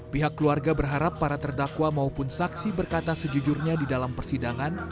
pihak keluarga berharap para terdakwa maupun saksi berkata sejujurnya di dalam persidangan